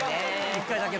１回だけ。